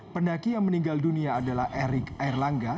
pendaki yang meninggal dunia adalah erik airlangga